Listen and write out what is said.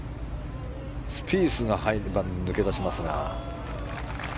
スピースが入れば抜け出しますが。